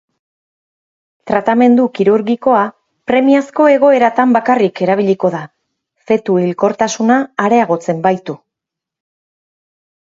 Tratamendu kirurgikoa premiazko egoeratan bakarrik erabiliko da, fetu-hilkortasuna areagotzen baitu.